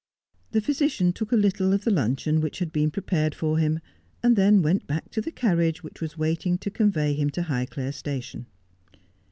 The physician took a little of the luncheon which had been prepared for him, and then went back to the carriage which was waiting to convey him to Highclere station.